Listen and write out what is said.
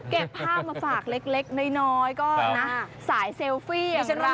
เก็บภาพมาฝากเล็กน้อยก็นะสายเซลฟี่ใช่ไหม